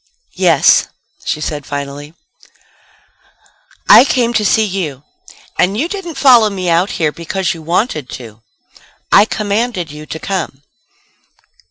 "Yes," she said finally. "I came to see you. And you didn't follow me out here because you wanted to. I commanded you to come."